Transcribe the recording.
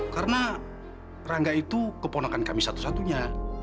karena rangga itu keponakan kami satu satunya